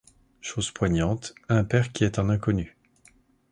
Chose poignante, un père qui est un inconnu.